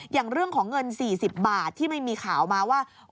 อย่างเรื่องของเงิน๔๐บาทที่ไม่มีข่าวมาว่า